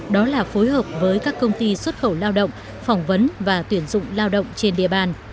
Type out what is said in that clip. đó là phối hợp với các công ty xuất khẩu lao động phỏng vấn và tuyển dụng lao động trên địa bàn